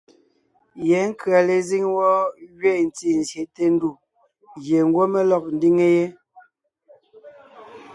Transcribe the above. Yɛ̌ nkʉ̀a lezíŋ wɔ́ gẅiin ntí zsyète ndù gie ngwɔ́ mé lɔg ńdiŋe yé.